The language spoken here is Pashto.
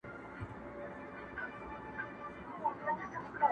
همېشه به په غزا پسي وو تللی!!